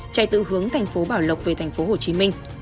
chạy tự hướng thành phố bảo lộc về thành phố hồ chí minh